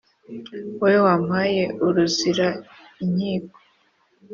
Wowe wampaye uruzira inkiko